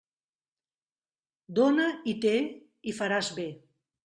Dóna i té, i faràs bé.